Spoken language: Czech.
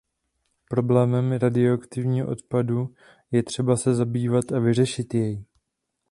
Problémem radioaktivního odpadu je třeba se zabývat a vyřešit jej.